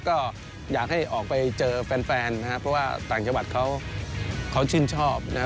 ก็อยากให้ออกไปเจอแฟนนะครับเพราะว่าต่างจังหวัดเขาชื่นชอบนะครับ